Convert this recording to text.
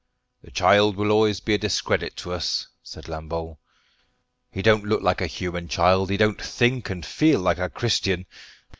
"The child will always be a discredit to us," said Lambole. "He don't look like a human child. He don't think and feel like a Christian.